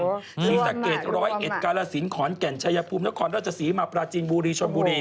ที่สักเกต๑๐๑กาลสินขอนแก่นชายภูมินครราชศรีมาปราจินบุรีชนบุรี